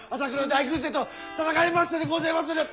大軍勢と戦いましたでごぜまする！